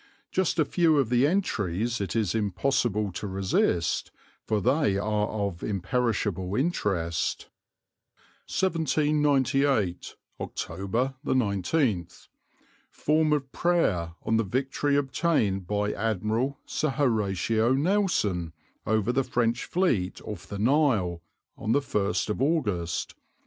Just a few of the entries it is impossible to resist, for they are of imperishable interest. "1798. October 19th. Form of Prayer on the victory obtained by Admiral Sir Horatio Nelson over the French fleet off the Nile, 1st August /6."